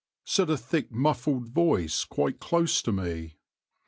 said a thick muffled voice quite close to me.